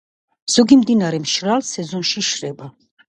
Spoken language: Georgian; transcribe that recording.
ზოგი მდინარე მშრალ სეზონში შრება.